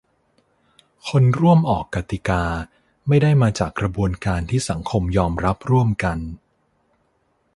คนร่วมออกกติกา ไม่ได้มาจากกระบวนการที่สังคมยอมรับร่วมกัน